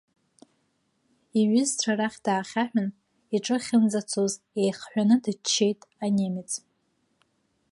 Иҩызцәа рахь даахьаҳәын, иҿы ахьынӡацоз еихҳәаны дыччеит анемец.